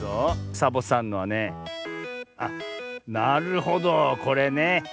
サボさんのはねあっなるほどこれね。